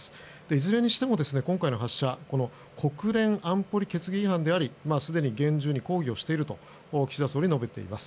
いずれにしても今回の発射は国連安保理決議違反でありすでに厳重に抗議をしていると岸田総理は述べています。